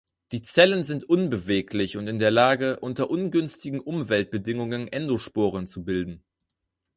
Die Zellen sind unbeweglich und in der Lage, unter ungünstigen Umweltbedingungen Endosporen zu bilden.